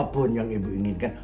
apapun yang ibu inginkan